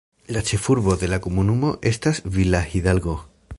La ĉefurbo de la komunumo estas Villa Hidalgo.